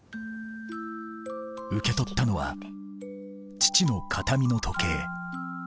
受け取ったのは父の形見の時計